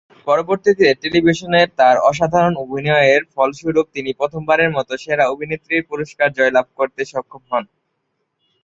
পরবর্তীতে টেলিভিশনে তার অসাধারণ অভিনয়ের ফলস্বরূপ তিনি প্রথমবারের মতো সেরা অভিনেত্রীর পুরস্কার জয়লাভ করতে সক্ষম হন।